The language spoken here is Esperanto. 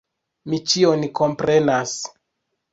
Mi ĉion komprenas!